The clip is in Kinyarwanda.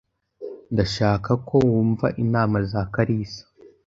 Ndashaka ko wumva inama za Kalisa.